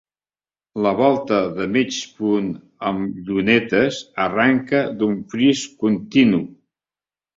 La volta de mig punt amb llunetes arrenca d'un fris continu.